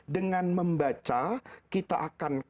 dengan membaca kita akan